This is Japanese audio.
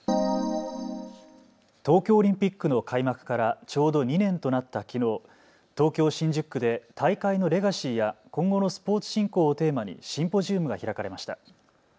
東京オリンピックの開幕からちょうど２年となったきのう東京新宿区で大会のレガシーや今後のスポーツ振興をテーマにシンポジウムが開かれました。